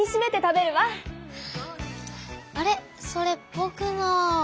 あれそれぼくの。